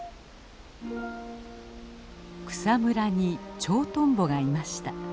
草むらにチョウトンボがいました。